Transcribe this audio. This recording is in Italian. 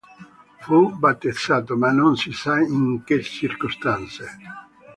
Fu battezzato, ma non si sa in che circostanze.